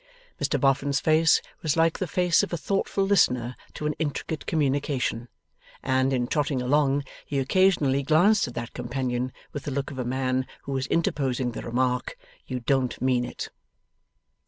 Mr Boffin's face was like the face of a thoughtful listener to an intricate communication, and, in trotting along, he occasionally glanced at that companion with the look of a man who was interposing the remark: 'You don't mean it!